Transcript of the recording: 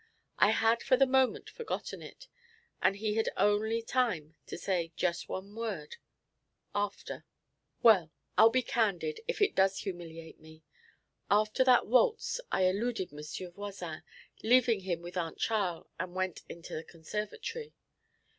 I had for the moment forgotten it, and he had only time to say just one word "after." 'Well, I'll be candid, if it does humiliate me; after that waltz I eluded M. Voisin, leaving him with Aunt Charl, and went into the conservatory.